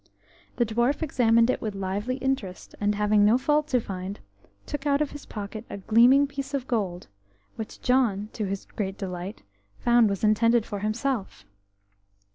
The dwarf examined it with lively interest, and, having no fault to find, took out of his pocket a gleaming piece of gold, which John, to his great delight, found was intended for himself.